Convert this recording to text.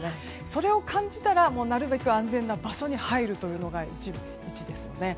それを感じたらなるべく安全な場所に入るのが第一ですよね。